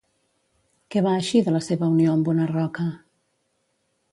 Què va eixir de la seva unió amb una roca?